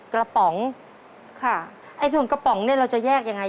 กระป๋องค่ะไอ้ส่วนกระป๋องเนี่ยเราจะแยกยังไง